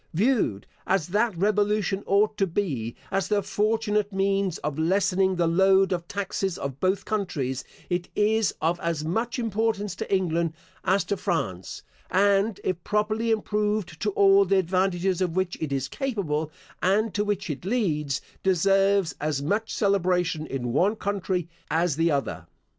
Viewed, as that revolution ought to be, as the fortunate means of lessening the load of taxes of both countries, it is of as much importance to England as to France; and, if properly improved to all the advantages of which it is capable, and to which it leads, deserves as much celebration in one country as the other.